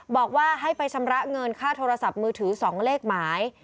บอกว่าให้ไปชำระเงินค่าโทรศัพท์มือถือ๒เลขหมาย